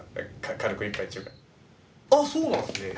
軽く一杯あっそうなんですね。